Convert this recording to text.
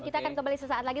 kita akan kembali sesaat lagi